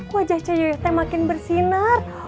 wajah coyote makin bersinar